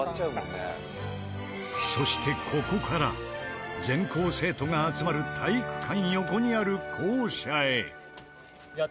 そしてここから全校生徒が集まる体育館横にある校舎へ。